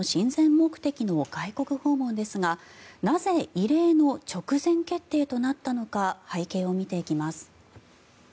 目的の外国訪問ですがなぜ、異例の直前決定となったのか背景を見ていきます。